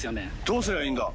どうすりゃいいんだ